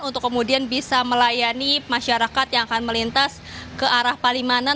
untuk kemudian bisa melayani masyarakat yang akan melintas ke arah palimanan